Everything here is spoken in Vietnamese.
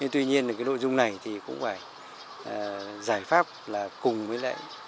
tuy nhiên nội dung này cũng phải giải pháp cùng với lại